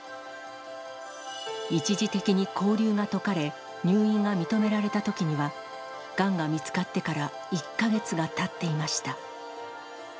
一時的に勾留が解かれ、入院が認められたときには、がんが見つかってから１か月がたっていました。